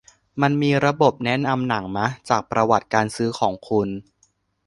มันมีระบบแนะนำหนังมะ จากประวัติการซื้อของคุณ